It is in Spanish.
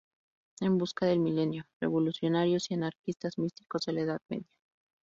En busca del milenio: Revolucionarios y anarquistas místicos de la Edad Media.